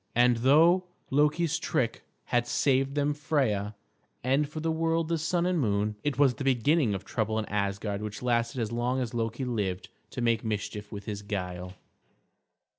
And though Loki's trick had saved them Freia, and for the world the Sun and Moon, it was the beginning of trouble in Asgard which lasted as long as Loki lived to make mischief with his guile.